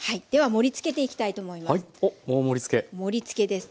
盛りつけです。